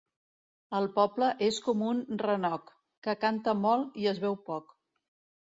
El poble és com un renoc, que canta molt i es veu poc.